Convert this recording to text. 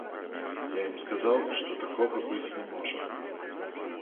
Я ім сказаў, што такога быць не можа.